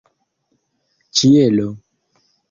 ĉielo